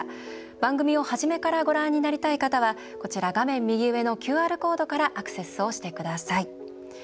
番組を初めからご覧になりたい方は画面右上のＱＲコードからアクセスをしてください。